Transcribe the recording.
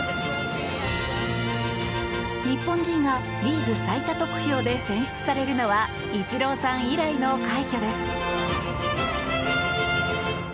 日本人がリーグ最多得票で選出されるのはイチローさん以来の快挙です。